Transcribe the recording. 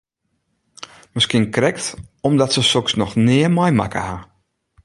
Miskien krekt omdat se soks noch nea meimakke ha.